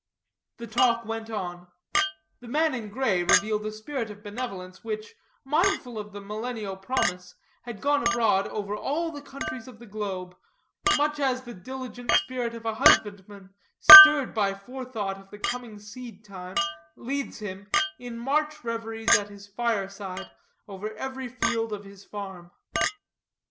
The talk went on; the man in gray revealed a spirit of benevolence which, mindful of the millennial promise, had gone abroad over all the countries of the globe, much as the diligent spirit of the husbandman, stirred by forethought of the coming seed time, leads him, in March reveries at his fireside, over every field of his farm.